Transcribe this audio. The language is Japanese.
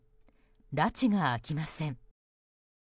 らちが明きません。